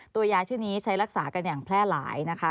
ยาชื่อนี้ใช้รักษากันอย่างแพร่หลายนะคะ